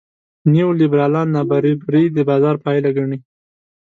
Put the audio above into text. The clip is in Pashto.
نیولېبرالان نابرابري د بازار پایله ګڼي.